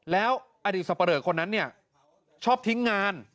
แล้วอดีตสเปรอคนนั้นชอบทิ้งงาน